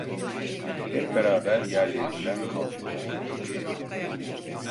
Hep beraber yerlerinden kalktılar.